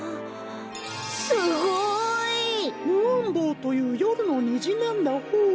すごい！ムーンボウというよるのにじなんだホー。